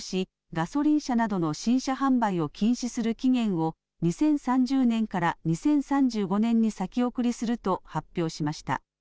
ガソリン車などの新車販売を禁止する期限を２０３０年から２０３５年に先送りすると発表しました。